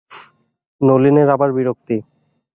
নলিনের আবার বিরক্তি!